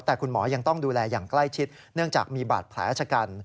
แต่คุณหมอยังต้องดูแลอย่างใกล้ชิดเนื่องจากมีบาดแผลชะกัน